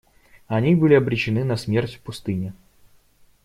Они были обречены на смерть в пустыне.